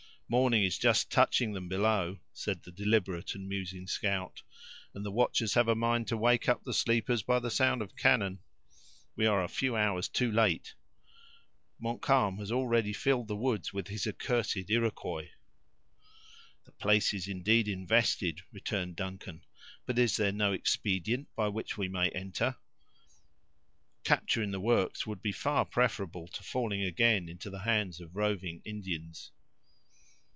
"Morning is just touching them below," said the deliberate and musing scout, "and the watchers have a mind to wake up the sleepers by the sound of cannon. We are a few hours too late! Montcalm has already filled the woods with his accursed Iroquois." "The place is, indeed, invested," returned Duncan; "but is there no expedient by which we may enter? capture in the works would be far preferable to falling again into the hands of roving Indians."